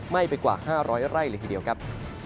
ไปกว่า๕๐๐ไร่เลยทีเดียวครับ